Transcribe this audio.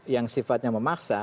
yang sifatnya memaksa